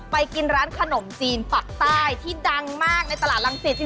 ไปกินร้านขนมจีนฝักใต้ที่ดังมากในตลาดรังสิตจริง